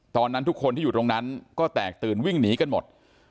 ทุกคนที่อยู่ตรงนั้นก็แตกตื่นวิ่งหนีกันหมด